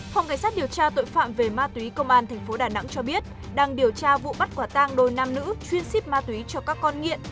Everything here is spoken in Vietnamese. phòng cảnh sát điều tra tội phạm về ma túy công an tp đà nẵng cho biết đang điều tra vụ bắt quả tang đôi nam nữ chuyên ship ma túy cho các con nghiện